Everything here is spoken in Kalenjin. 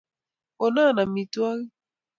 kona amitwagik